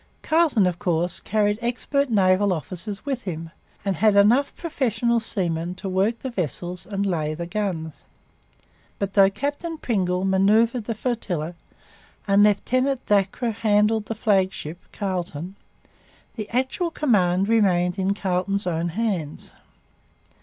Carleton of course carried expert naval officers with him and had enough professional seamen to work the vessels and lay the guns. But, though Captain Pringle manoeuvred the flotilla and Lieutenant Dacre handled the flagship Carleton, the actual command remained in Carleton's own hands.